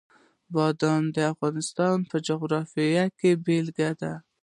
بادام د افغانستان د جغرافیې بېلګه ده.